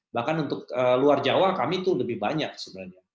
bahkan untuk luar jawa kami itu lebih banyak sebenarnya